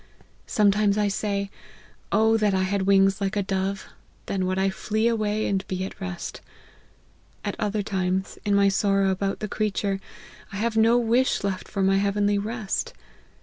Sometimes I say, ' O that I had wings like a dove, then would I flee away and be at rest ;' at other times, in my sorrow about the creature, I have no wish left for my heavenly rest.